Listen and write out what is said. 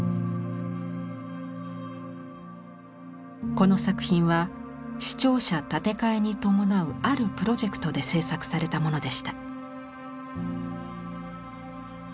この作品は市庁舎建て替えに伴うあるプロジェクトで制作されたものでした。